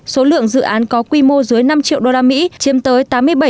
số lượng dự án có quy mô dưới năm triệu usd chiếm tới tám mươi bảy